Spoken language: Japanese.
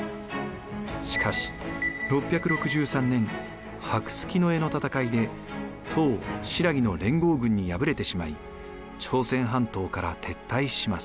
しかし６６３年白村江の戦いで唐新羅の連合軍に敗れてしまい朝鮮半島から撤退します。